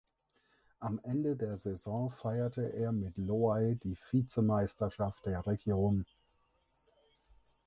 Am Ende der Saison feierte er mit Loei die Vizemeisterschaft der Region.